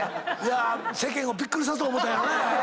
世間をびっくりさそう思ったんやな。